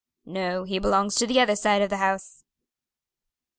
"No, he belongs to the other side of the house."